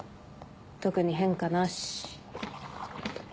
特に変化なし。